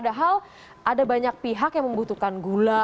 padahal ada banyak pihak yang membutuhkan gula